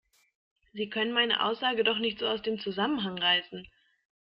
Sie können meine Aussage doch nicht so aus dem Zusammenhang reißen!